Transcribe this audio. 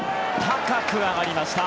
高く上がりました。